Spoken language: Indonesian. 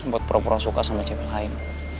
buat pura pura suka sama cewek lain